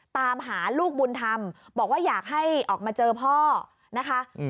ตามหาลูกบุญธรรมบอกว่าอยากให้ออกมาเจอพ่อนะคะ